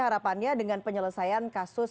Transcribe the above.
harapannya dengan penyelesaian kasus